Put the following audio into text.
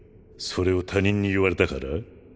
それを他人に言われたから？